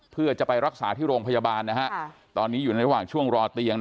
เพื่อจะไปรักษาที่โรงพยาบาลตอนนี้อยู่ระหว่างช่วงรอเตียง